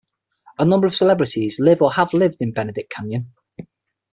A number of celebrities live or have lived in Benedict Canyon.